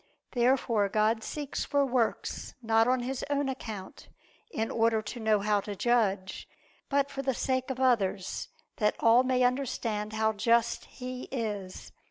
Therefore God seeks for works not on His own account, in order to know how to judge; but for the sake of others, that all may understand how just He is.